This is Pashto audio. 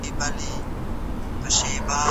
ایا مسلکي بڼوال تور ممیز ساتي؟